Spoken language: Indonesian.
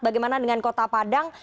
bagaimana dengan kota padang